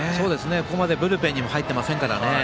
ここまでブルペンにも入っていませんから。